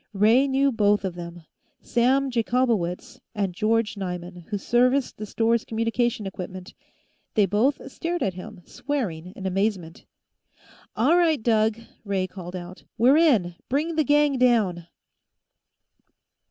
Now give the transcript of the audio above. Ray knew both of them Sam Jacobowitz and George Nyman, who serviced the store's communications equipment. They both stared at him, swearing in amazement. "All right, Doug!" Ray called out. "We're in! Bring the gang down!"